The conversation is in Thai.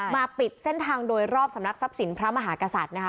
ปิดเส้นทางโดยรอบสำนักทรัพย์สินพระมหากษัตริย์นะคะ